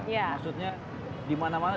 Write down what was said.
maksudnya di mana mana